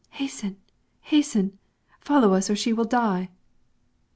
Hasten, hasten! Follow us or she will die!"